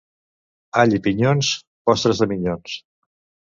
All i pinyons, postres de minyons.